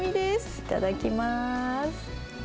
いただきます。